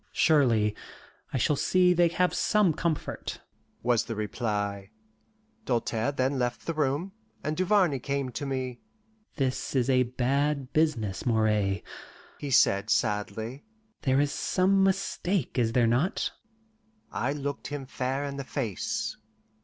"Surely. I shall see they have some comfort," was the reply. Doltaire then left the room, and Duvarney came to me. "This is a bad business, Moray," he said sadly. "There is some mistake, is there not?" I looked him fair in the face.